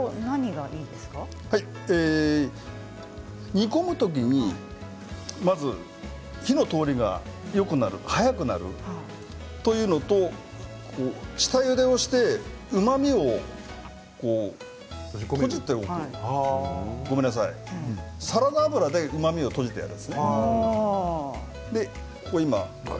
煮込む時に火の通りがよくなる、早くなるというのと下ゆでをしてうまみを閉じてよくいく、サラダ油でうまみを閉じ込める。